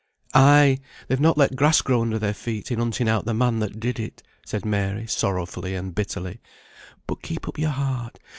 "Ay! they've not let grass grow under their feet, in hunting out the man that did it," said Mary, sorrowfully and bitterly. "But keep up your heart.